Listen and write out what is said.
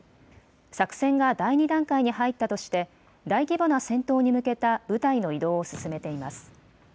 作戦が第２段階に入ったとして大規模な戦闘に向けた部隊の移動を進めています。